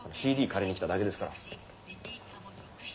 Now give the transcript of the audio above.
ＣＤ借りに来ただけです。